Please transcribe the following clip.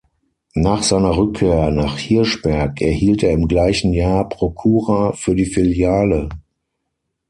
Nach seiner Rückkehr nach Hirschberg erhielt er im gleichen Jahr Prokura für die Filiale.